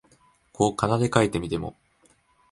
こう仮名で書いてみても、